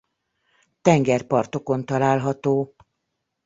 Tengerpartokon található.